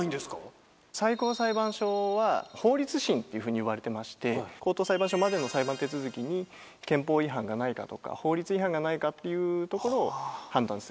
最高裁判所は法律審っていうふうにいわれてまして高等裁判所までの裁判手続きに憲法違反がないかとか法律違反がないかっていうところを判断する。